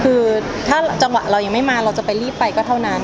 คือถ้าจังหวะเรายังไม่มาเราจะไปรีบไปก็เท่านั้น